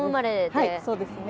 はいそうですね。